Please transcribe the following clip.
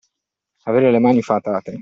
Avere le mani fatate.